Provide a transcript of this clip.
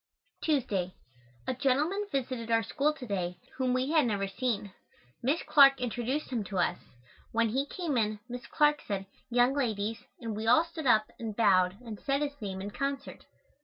Tuesday. A gentleman visited our school to day whom we had never seen. Miss Clark introduced him to us. When he came in, Miss Clark said, "Young ladies," and we all stood up and bowed and said his name in concert.